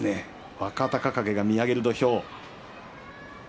若隆景が見上げている土俵。